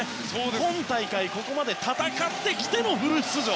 今大会、ここまで戦ってきてのフル出場。